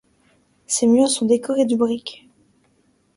Ses murs sont décorés de briques.